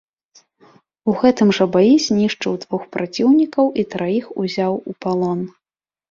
У гэтым жа баі знішчыў двух праціўнікаў і траіх узяў у палон.